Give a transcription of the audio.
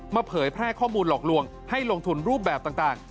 เผยแพร่ข้อมูลหลอกลวงให้ลงทุนรูปแบบต่าง